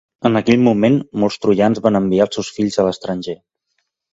En aquell moment, molts troians van enviar els seus fills a l'estranger.